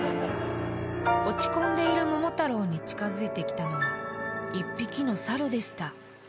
［落ち込んでいる桃太郎に近づいてきたのは１匹のサルでした］